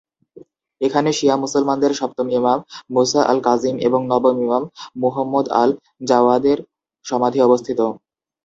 এখানে শিয়া মুসলমানদের সপ্তম ইমাম মুসা আল-কাজিম এবং নবম ইমাম মুহম্মদ আল-জওয়াদের সমাধি অবস্থিত।